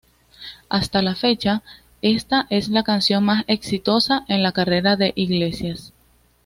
Hasta la fecha esta es la canción más exitosa en la carrera de Iglesias.